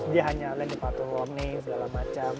dia hanya lane departure warning segala macam